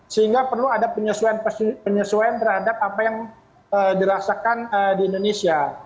sehingga perlu ada penyesuaian terhadap apa yang dirasakan di indonesia